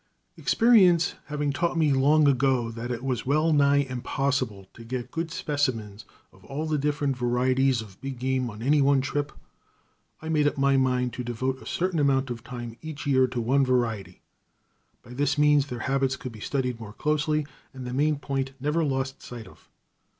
Experience having taught me long ago that it was well nigh impossible to get good specimens of all the different varieties of big game on any one trip, I made up my mind to devote a certain amount of time each year to one variety. By this means their habits could be studied more closely, and the main point never lost sight of.